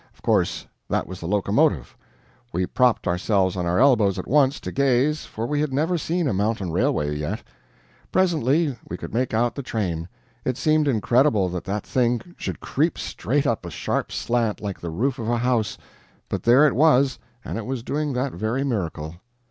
Of course that was the locomotive. We propped ourselves on our elbows at once, to gaze, for we had never seen a mountain railway yet. Presently we could make out the train. It seemed incredible that that thing should creep straight up a sharp slant like the roof of a house but there it was, and it was doing that very miracle.